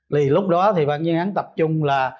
thì lúc đó thì ban chuyên án tập trung là